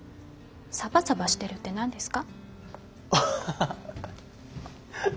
サバサバしてるって何ですか？